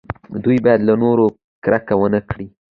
دوی باید له نورو کرکه ونه کړي.